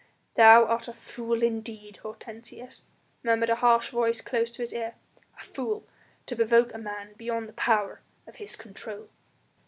"Thou art a fool indeed, Hortensius," murmured a harsh voice close to his ear; "a fool to provoke a man beyond the power of his control."